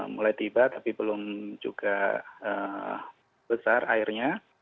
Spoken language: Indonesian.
mulai tiba tapi belum juga besar airnya